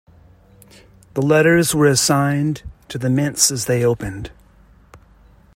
The letters were assigned to the mints as they opened.